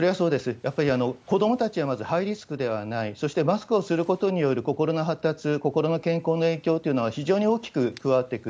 やっぱり子どもたちはまずハイリスクではない、そしてマスクをすることによる心の発達、心の健康の影響っていうのは非常に大きく関わってくる。